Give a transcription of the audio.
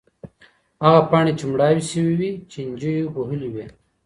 هغه پاڼې چي مړاوې سوي وې چینجیو وهلې وې.